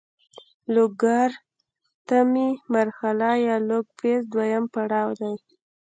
لوګارتمي مرحله یا لوګ فیز دویم پړاو دی.